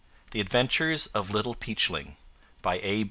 THE ADVENTURES OF LITTLE PEACHLING By A.